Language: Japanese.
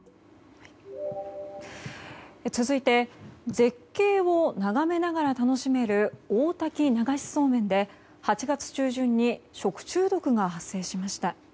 続いて、絶景を眺めながら楽しめる大滝流しそうめんで８月中旬に食中毒が発生しました。